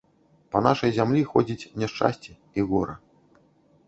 Па нашай зямлі ходзіць няшчасце і гора.